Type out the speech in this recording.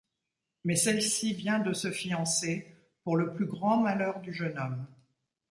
Mais celle-ci vient de se fiancer, pour le plus grand malheur du jeune homme.